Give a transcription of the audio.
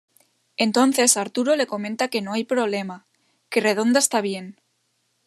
Entonces Arturo le comenta que no hay problema, que redonda está bien.